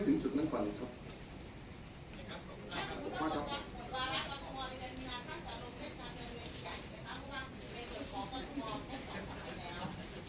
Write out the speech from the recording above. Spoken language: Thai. คุณท่านหวังว่าประชาธิบัติไม่ชอบมาตรา๔๔